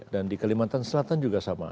dan di kelimantan selatan juga sama